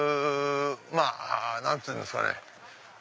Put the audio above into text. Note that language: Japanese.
まぁ何つうんですかね。